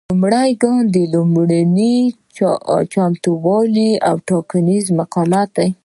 لومړی ګام لومړني چمتووالي او ټاکنیز مقاومت دی.